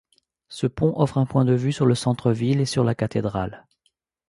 Ce pont offre un point de vue sur le centre-ville et sur la cathédrale.